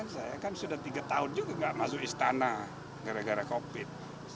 saya kan sudah tiga tahun juga nggak masuk istana gara gara covid